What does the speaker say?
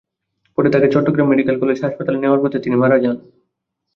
পরে তাঁকে Chittagong medical college হাসপাতালে নেওয়ার পথে তিনি মারা যান।